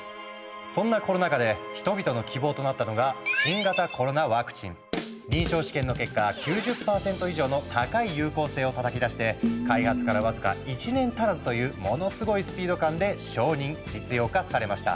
そんなコロナ禍で人々の希望となったのが臨床試験の結果９０％以上の高い有効性をたたき出して開発から僅か１年足らずというものスゴいスピード感で承認実用化されました。